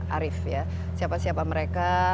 arief siapa siapa mereka